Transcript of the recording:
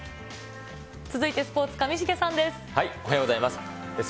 続いてスポーツ、上重さんでおはようございます。